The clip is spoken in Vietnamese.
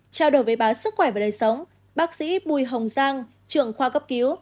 trao đổi với báo sức khỏe và đời sống bác sĩ bùi hồng giang trưởng khoa cấp cứu